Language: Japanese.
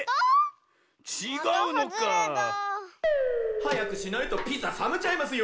はやくしないとピザさめちゃいますよ。